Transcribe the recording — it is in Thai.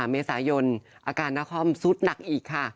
เมษายนอาการนาคอมซุดหนักอีกค่ะ